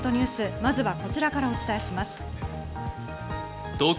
まずはこちらお伝えします。